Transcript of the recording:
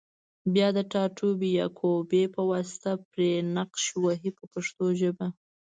بیا د ټاټې یا کوبې په واسطه پرې نقش وهي په پښتو ژبه.